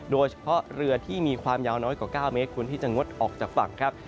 โดยเฉพาะเรือที่มีความยาวน้อยกว่า๙เมตรควรที่จะงดออกจากฝั่งครับ